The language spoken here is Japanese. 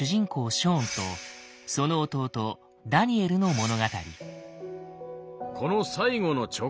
ショーンとその弟ダニエルの物語。